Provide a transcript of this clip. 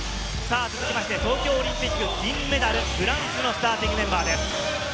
続いて、東京オリンピック銀メダル、フランスのスターティングメンバーです。